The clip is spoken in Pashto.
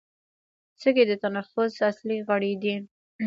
سږي د تنفس اصلي غړي دي